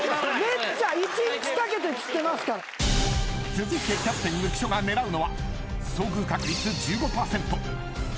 ［続いてキャプテン浮所が狙うのは］